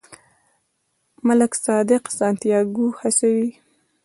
ملک صادق سانتیاګو هڅوي.